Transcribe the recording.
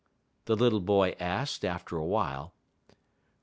the little boy asked, after a while.